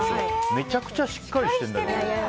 めちゃくちゃしっかりしてる。